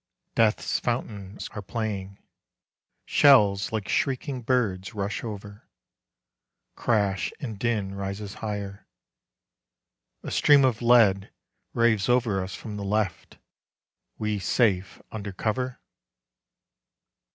Death's fountains are playing. Shells like shrieking birds rush over; Crash and din rises higher. A stream of lead raves Over us from the left ... (we safe under cover!)